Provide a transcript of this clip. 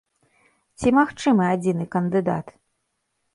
Ці магчымы адзіны кандыдат?